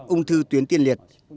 ung thư tuyến tiên liệt